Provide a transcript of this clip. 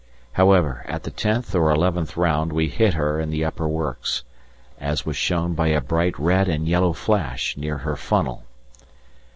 However, at the tenth or eleventh round we hit her in the upper works, as was shown by a bright red and yellow flash near her funnel.